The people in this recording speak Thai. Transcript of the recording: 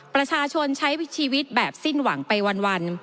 ประชาชนใช้ชีวิตแบบสิ้นหวังไปวัน